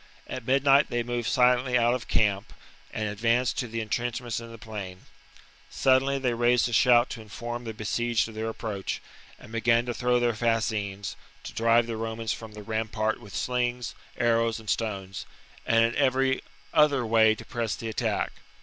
At midnight they moved silently out of camp and advanced to the entrenchments in the plain. Suddenly they raised a shout to inform the besieged of their approach, and began to throw their fascines, to drive the Romans from the rampart VII OF VERCINGETORIX 271 with slings, arrows, and stones, and in every other 52 b.c, way to press the attack.